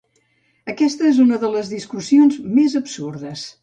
Aquesta és una de les discussions més absurdes.